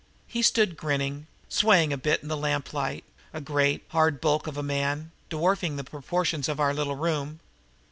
He stood grinning, swaying a bit in the lamplight, a great, hard bulk of a man, dwarfing the proportions of our little room.